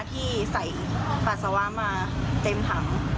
ที่ใส่ปัสสาวะมาเต็มถัง